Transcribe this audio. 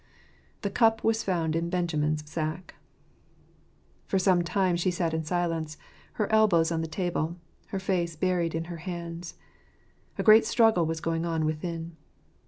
The cup was foutid in Benjamin's sack. For some time she sat in silence, her elbows on the table, her face buried in her hands : a great struggle was going on within.